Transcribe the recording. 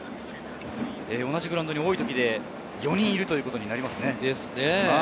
同じグラウンドに多い時で４人いるということになりますね。